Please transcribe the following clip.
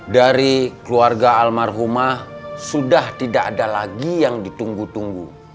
dari keluarga almarhumah sudah tidak ada lagi yang ditunggu tunggu